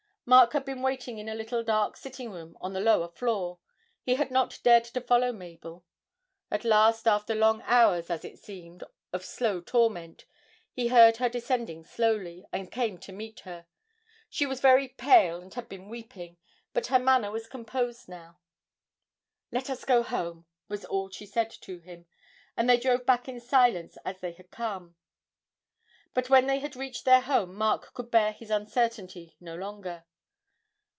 Mark had been waiting in a little dark sitting room on a lower floor; he had not dared to follow Mabel. At last, after long hours, as it seemed, of slow torment, he heard her descending slowly, and came to meet her; she was very pale and had been weeping, but her manner was composed now. 'Let us go home,' was all she said to him, and they drove back in silence as they had come. But when they had reached their home Mark could bear his uncertainty no longer.